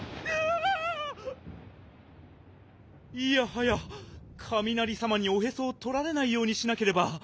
いやはやかみなりさまにおへそをとられないようにしなければ。